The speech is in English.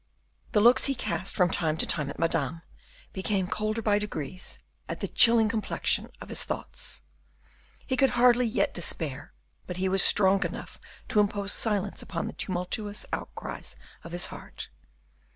The looks he cast, from time to time at Madame, became colder by degrees at the chilling complexion of his thoughts. He could hardly yet despair, but he was strong enough to impose silence upon the tumultuous outcries of his heart.